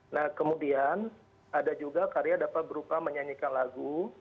nah kemudian ada juga karya dapat berupa menyanyikan lagu